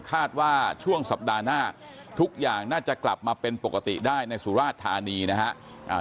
คาดว่าช่วงสัปดาห์หน้าทุกอย่างน่าจะกลับมาเป็นปกติได้ในสุราชธานีนะครับ